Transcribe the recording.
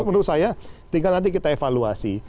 menurut saya tinggal nanti kita evaluasi